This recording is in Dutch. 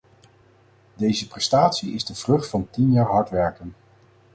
Deze prestatie is de vrucht van tien jaar hard werken.